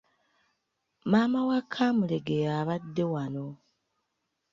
Maama wa Kamulegeya abadde wano.